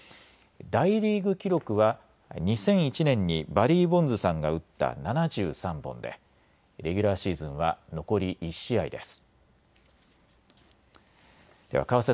大リーグ記録は２００１年にバリー・ボンズさんが打った７３本でレギュラーシーズンは残り１試合です。